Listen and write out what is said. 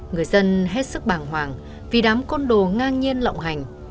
người dân hết sức bàng hoàng vì đám côn đồ ngang nhiên lộng hành